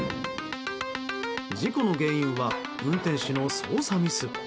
事故の原因は運転手の操作ミス。